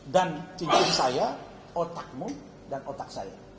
dan cincin saya otakmu dan otak saya